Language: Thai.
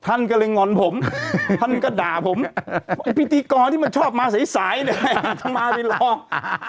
ท่านก็เลยงอนผมท่านก็ด่าผมไอ้พิธีกรที่มันชอบมาสายสายเนี่ยทำไมไปหลอก